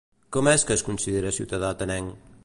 Com és que es considera ciutadà atenenc?